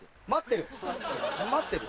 待ってる？